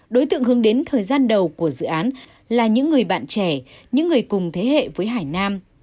đối tượng hướng đến thời gian đầu của dự án là những người bạn trẻ những người cùng thế hệ với hải nam